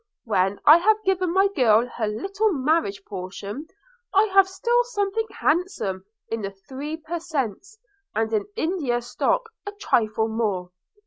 When I have given my girl her little marriage portion, I have still something handsome in the three per cents, and in India stock a trifle more.